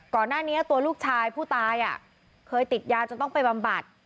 ก่อนหน้านี้ตัวลูกชายผู้ตายเคยติดยาจนต้องไปบำบัด